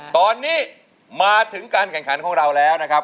ตอนนี้มาถึงการแข่งขันของเราแล้วนะครับ